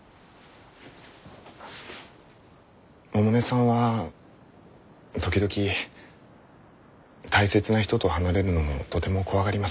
百音さんは時々大切な人と離れるのをとても怖がります。